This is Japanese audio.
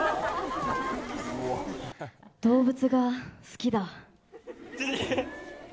動物が好きだ！